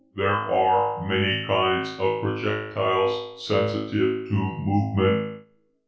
There are many kinds of projectiles sensitive to movement.